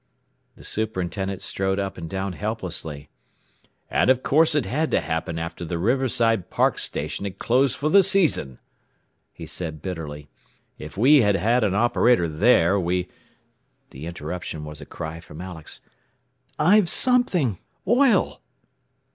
The superintendent strode up and down helplessly. "And of course it had to happen after the Riverside Park station had closed for the season," he said bitterly. "If we had had an operator there we " The interruption was a cry from Alex. "I've something! Oil!"